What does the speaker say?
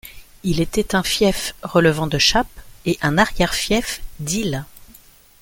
Il était un fief relevant de Chappes et un arrière fief d'Isle.